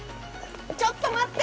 ちょっと待って！